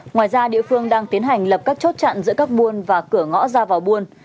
ngoài ra địa phương đang tiến hành lập các chốt chặn giữa các buôn và cửa ngõ ra vào buôn